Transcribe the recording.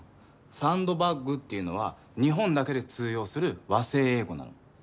サンドバッグっていうのは日本だけで通用する和製英語なの。